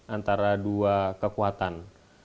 antara dua kekuatan